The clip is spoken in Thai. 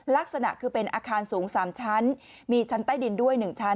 ลักษณะคือเป็นอาคารสูง๓ชั้นมีชั้นใต้ดินด้วย๑ชั้น